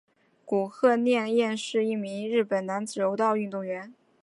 古贺稔彦是一名日本男子柔道运动员。